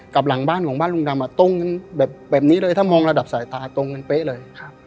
หลังบ้านของบ้านลุงดำตรงกันแบบนี้เลยถ้ามองระดับสายตาตรงกันเป๊ะเลย